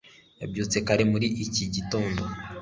yabyutse kare muri iki gitondo